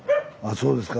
そうですか。